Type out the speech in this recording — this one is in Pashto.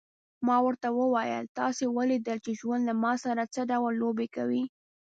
ما ورته وویل: تاسي ولیدل چې ژوند له ما سره څه ډول لوبې کوي.